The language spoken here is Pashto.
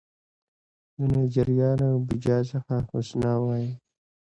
د نایجیریا له ابوجا څخه حسنه وايي